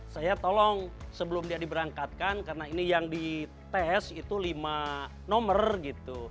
saya tolong sebelum dia diberangkatkan karena ini yang dites itu lima nomor gitu